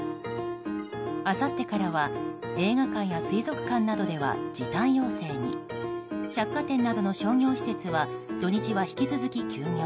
あさってからは映画館や水族館などでは時短要請に百貨店などの商業施設は土日は引き続き休業。